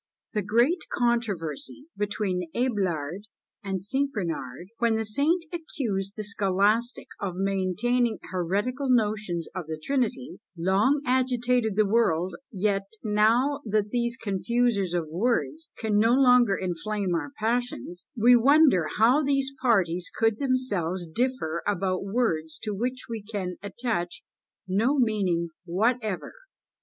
The great controversy between Abelard and St. Bernard, when the saint accused the scholastic of maintaining heretical notions of the Trinity, long agitated the world; yet, now that these confusers of words can no longer inflame our passions, we wonder how these parties could themselves differ about words to which we can attach no meaning whatever.